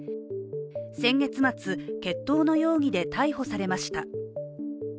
先月末、決闘の容疑で逮捕されました。